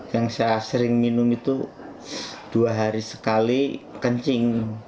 yang saya sering minum itu dua hari sekali kencing